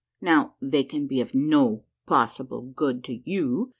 No^y, they can be of no possible good to you.